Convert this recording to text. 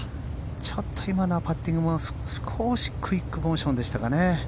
ちょっと今のはパッティングも、少しクイックモーションでしたかね。